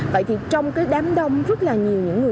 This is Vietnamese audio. vậy thì trong cái đám đông rất là nhiều những người